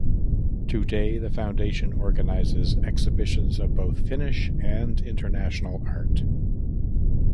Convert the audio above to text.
Today the Foundation organizes exhibitions of both Finnish and international art.